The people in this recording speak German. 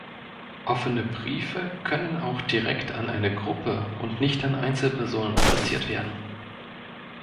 Offene Briefe können auch direkt an eine Gruppe und nicht an Einzelpersonen adressiert werden.